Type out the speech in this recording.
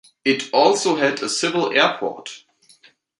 It also had a civil airport.